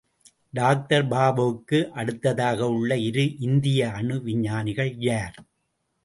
Doctor பாபாவுக்கு அடுத்ததாக உள்ள இரு இந்திய அணு விஞ்ஞானிகள் யார்?